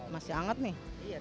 masih anget nih